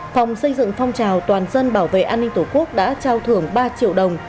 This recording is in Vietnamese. phòng xây dựng phong trào toàn dân bảo vệ an ninh tổ quốc đã trao thưởng ba triệu đồng